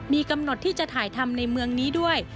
มีกำหนดที่จะถ่ายทำในเมืองนี้ด้วย